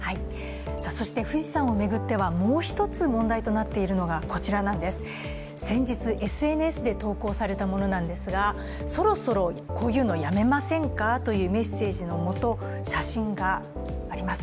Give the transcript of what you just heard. そして富士山を巡ってはもう一つ問題となっているのがこちらなんです先日、ＳＮＳで投稿されたものなんですが、「そろそろこういうのやめませんか」というメッセージのもと写真があります。